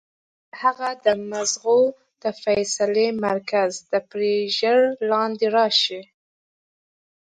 د هغه د مزغو د فېصلې مرکز د پرېشر لاندې راشي